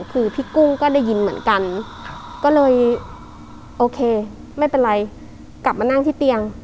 คือพี่กุ้งก็ได้ยินเหมือนกันก็เลยโอเคไม่เป็นไรกลับมานั่งที่เตียง